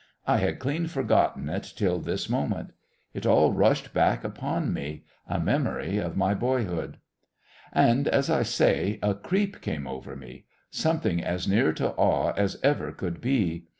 I had clean forgotten it till this moment. It all rushed back upon me, a memory of my boyhood. And, as I say, a creep came over me something as near to awe as ever could be.